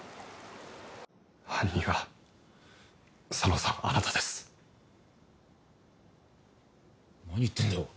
犯人は佐野さんあなたです何言ってんだよ